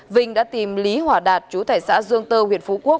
vinh đã tìm lý hỏa đạt chú tại xã dương tơ huyện phú quốc